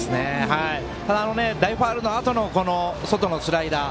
ただ、あの大ファウルのあとの外のスライダー。